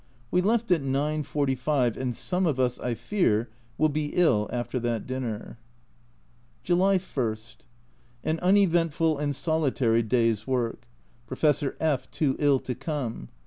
We left at 9.45, and some of us, I fear, will be ill after that dinner. July I. An uneventful and solitary day's work. Professor F too ill to come.